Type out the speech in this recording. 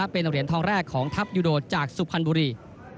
เป็นเหรียญทองแรกของทัพยูโดจากสุพรรณบุรี